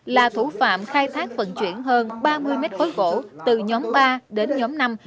là thủ phạm khai thác vận chuyển hơn ba mươi mét khối gỗ từ nhóm ba đến nhóm năm